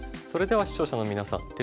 それでは視聴者の皆さん